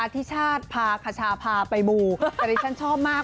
อาทิชาติพาขชาภาไปหมูที่ฉันชอบมาก